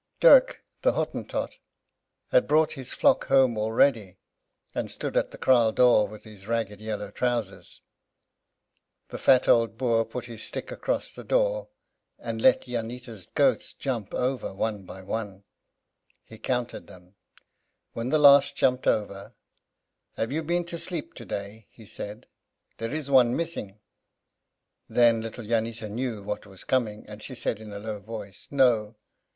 Dirk, the Hottentot, had brought his flock home already, and stood at the kraal door with his ragged yellow trousers. The fat old Boer put his stick across the door, and let Jannita's goats jump over, one by one. He counted them. When the last jumped over: "Have you been to sleep today?" he said; "there is one missing." Then little Jannita knew what was coming, and she said, in a low voice, "No."